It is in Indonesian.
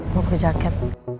bawa ke jaket